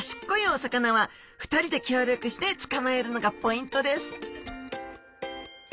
お魚は２人で協力してつかまえるのがポイントです